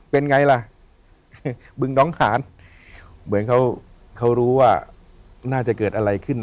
เป็นไงล่ะบึงน้องขานเหมือนเขาเขารู้ว่าน่าจะเกิดอะไรขึ้น